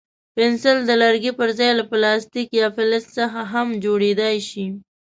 پنسل د لرګي پر ځای له پلاستیک یا فلز څخه هم جوړېدای شي.